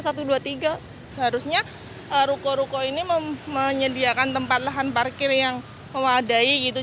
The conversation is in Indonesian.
seharusnya ruko ruko ini menyediakan tempat lahan parkir yang memadai gitu